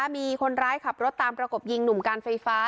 มีคนร้ายขับรถตามประกบยิงหนุ่มการไฟฟ้า